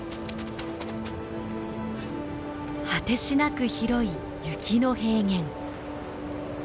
果てしなく広い雪の平原。